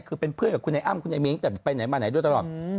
คือเป็นเพื่อนกับคุณไอ้อ้ำคุณไอมิ้งแต่ไปไหนมาไหนด้วยตลอด